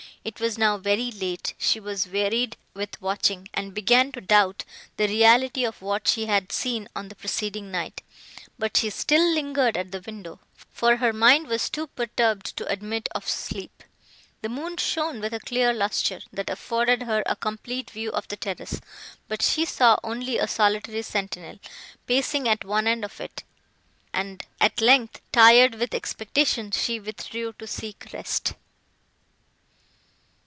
It was now very late, she was wearied with watching, and began to doubt the reality of what she had seen on the preceding night; but she still lingered at the window, for her mind was too perturbed to admit of sleep. The moon shone with a clear lustre, that afforded her a complete view of the terrace; but she saw only a solitary sentinel, pacing at one end of it; and, at length, tired with expectation, she withdrew to seek rest.